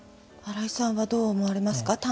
新井さんはどう思われますか？